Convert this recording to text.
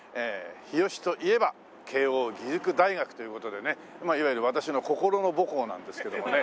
日吉といえば慶應義塾大学という事でねいわゆる私の心の母校なんですけどもね